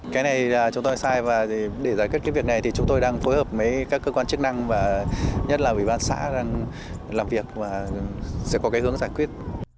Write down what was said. cái này chúng tôi sai và để giải quyết cái việc này thì chúng tôi đang phối hợp với các cơ quan chức năng và nhất là ủy ban xã làm việc và sẽ có cái hướng giải quyết